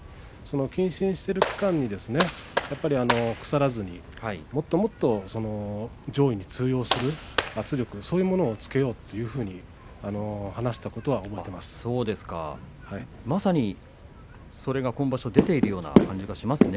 謹慎している期間に、腐らずにもっともっと上位に通用する圧力そういうものをつけようということをまさにそれが今場所出ているような感じがしますね。